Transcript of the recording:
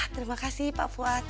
terima kasih pak fuad